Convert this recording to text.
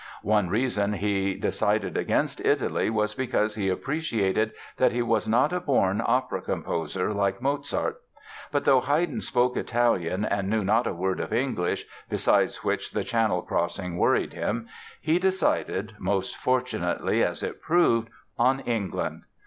One reason he decided against Italy was because he appreciated that he was not a born opera composer, like Mozart. But though Haydn spoke Italian and knew not a word of English (besides which the Channel crossing worried him), he decided—most fortunately as it proved—on England.